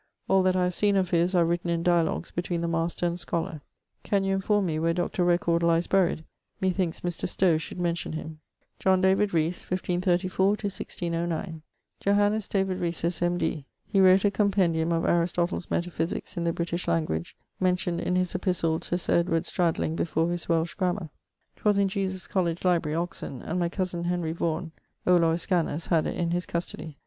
All that I have seen of his are written in dialogues between the master and scholar. Can you enforme me where Dr. Record lies buried? Me thinks Mr. Stow should mention him. =John David Rhees= (1534 1609). Johannes David Rhesus, M.D.: he wrote a compendium of Aristotle's Metaphysiques in the British language, mentioned in his epistle to Sir Stradling before his Welsh Grammar. 'Twas in Jesus College library, Oxon, and my cosen Henry Vaughan (Olor Iscanus) had it in his custody.